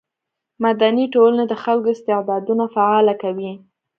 مدني ټولنې د خلکو استعدادونه فعاله کوي.